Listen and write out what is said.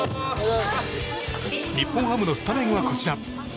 日本ハムのスタメンはこちら。